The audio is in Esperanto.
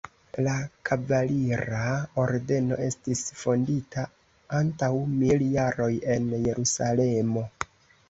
La kavalira ordeno estis fondita antaŭ mil jaroj en Jerusalemo.